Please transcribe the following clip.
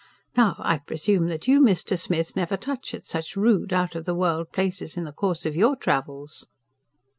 Now, I presume that you, Mr. Smith, never touch at such RUDE, OUT OF THE WORLD places in the course of YOUR travels?"